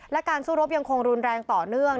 และการสู้รบยังคงรุนแรงต่อเนื่อง